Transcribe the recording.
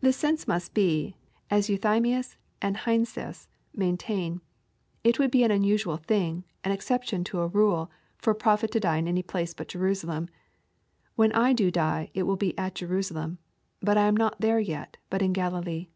Tlie sense must be, as Euthymius and Heinsius maintain, '* it would be an unusual thing, — an exception to a rule, — ^for a prophet to die in any place but Jerusalem. When T do die. it will be at Jerusalem. But I am not there yet^ but io Galilee.